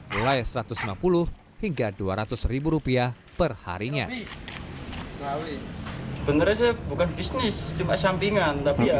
mulai satu ratus lima puluh hingga dua ratus ribu rupiah perharinya beneran bukan bisnis cuma sampingan tapi ya